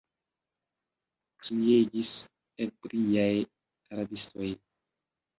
kriegis ebriaj rabistoj.